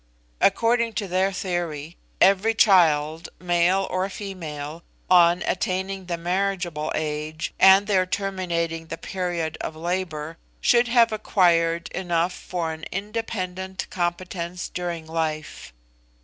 According to their theory, every child, male or female, on attaining the marriageable age, and there terminating the period of labour, should have acquired enough for an independent competence during life.